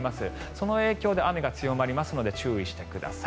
その影響で雨が強まりますので注意してください。